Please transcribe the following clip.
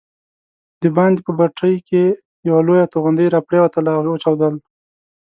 دباندې په بټۍ کې یوه لویه توغندۍ راپرېوتله او وچاودل.